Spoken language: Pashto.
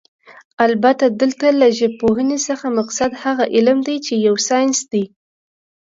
البته دلته له ژبپوهنې څخه مقصد هغه علم دی چې يو ساينس دی